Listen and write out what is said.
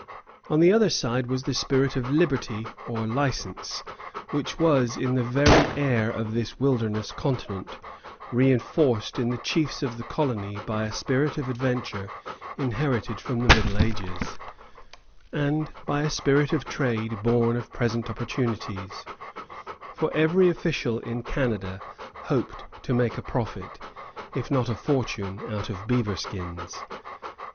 On the other side was the spirit of liberty, or license, which was in the very air of this wilderness continent, reinforced in the chiefs of the colony by a spirit of adventure inherited from the Middle Ages, and by a spirit of trade born of present opportunities; for every official in Canada hoped to make a profit, if not a fortune, out of beaverskins.